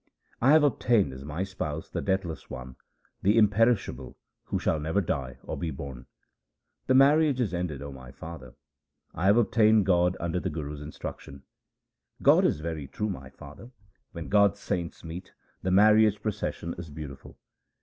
I have obtained as my spouse the Deathless One, the Imperishable, who shall never die or be born. The marriage is ended, O my father ; I have obtained God under the Guru's instruction. God is very true, my father ; when God's saints meet, the marriage procession is beautiful.